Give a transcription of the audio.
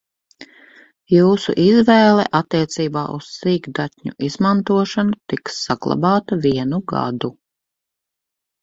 Jūsu izvēle attiecībā uz sīkdatņu izmantošanu tiks saglabāta vienu gadu.